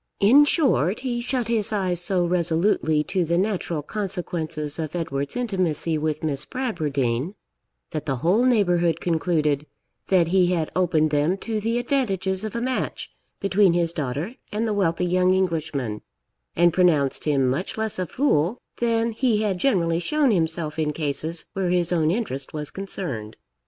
In short, he shut his eyes so resolutely to the natural consequences of Edward's intimacy with Miss Bradwardine, that the whole neighbourhood concluded that he had opened them to the advantages of a match between his daughter and the wealthy young Englishman, and pronounced him much less a fool than he had generally shown himself in cases where his own interest was concerned.